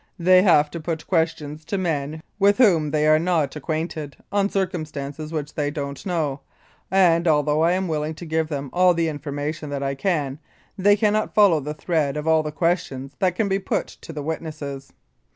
They have to put questions to men with whom they are not acquainted, on circumstances which they don't know, and although I am willing to give them all the information that I can, they cannot follow the thread of all the questions that could be put to the witnesses.